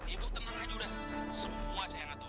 ibu tenang aja udah semua saya ngatur